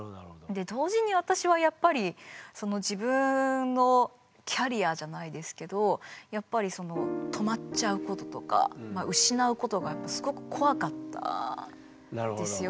で同時に私はやっぱり自分のキャリアじゃないですけどやっぱりその止まっちゃうこととか失うことがすごく怖かったんですよね。